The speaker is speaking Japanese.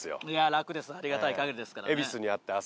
楽ですありがたい限りですから。